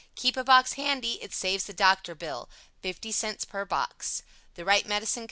Keep a box handy, it saves the doctor bill. 50 cents per box. The Wright Medicine Co.